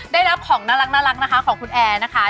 ได้รับของน่ารักนะคะของคุณแอร์นะคะ